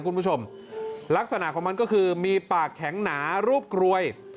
คุณผู้ชมลักษณะของมันก็คือมีปากแข็งหนารูปกรวย